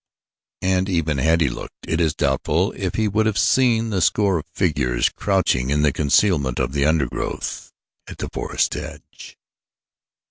And even had he looked, it is doubtful if he would have seen the score of figures crouching in the concealment of the undergrowth at the forest's edge.